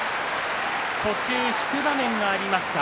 途中、引く場面がありました。